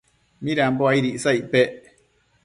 midambo aid icsa icpec ?